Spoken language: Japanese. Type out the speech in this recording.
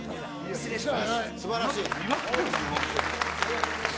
失礼します